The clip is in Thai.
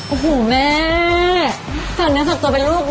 โอ้โหแม่เสร็จแล้วสอบตัวเป็นลูกด้วย